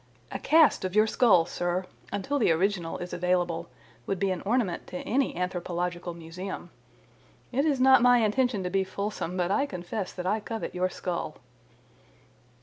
A cast of your skull, sir, until the original is available, would be an ornament to any anthropological museum. It is not my intention to be fulsome, but I confess that I covet your skull."